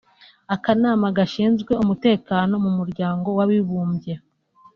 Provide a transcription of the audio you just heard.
Akanama gashinzwe umutekano mu muryango w’abibumbye